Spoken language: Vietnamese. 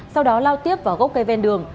sau đó lao tiếp vào gốc cây ven đường